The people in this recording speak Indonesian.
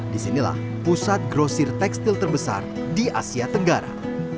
disinilah pusat grosir tekstil terbesar di asia tenggara